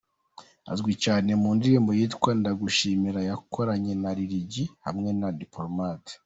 Azwi cyane mu ndirimbo yitwa Ndagushimira yakoranye na Lil G hamwe na Diplomate.